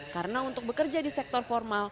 karena untuk bekerja di sektor formal